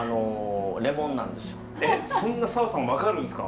えっそんな砂羽さん分かるんですか？